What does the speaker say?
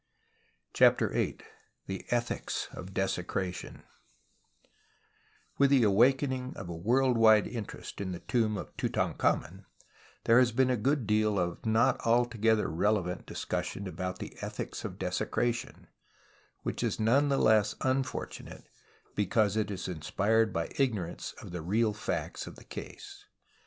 CHAPTER VIII THE ETHICS OF DESECKATION With the awakening of a world wide interest in the tomb of Tutankhamen there has been a good deal of not altogether relevant dis cussion about the ethics of desecration, which is none the less unfortunate because it is inspired by ignorance of the real facts of the case.